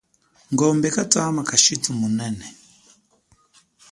Ngombe kathama kashithu munene